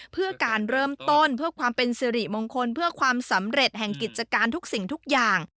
เพื่อการเริ่มต้นเพื่อความเป็นสิริมงคลเพื่อความสำเร็จแห่งกิจการทุกสิ่งทุกอย่าง